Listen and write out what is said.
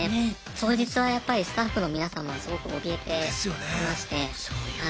当日はやっぱりスタッフの皆様はすごくおびえていまして。ですよね。